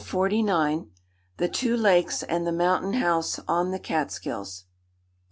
THE TWO LAKES AND THE MOUNTAIN HOUSE ON THE CATSKILLS.